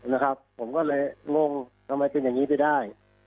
นะครับผมก็เลยงงทำไมเป็นอย่างนี้ไปได้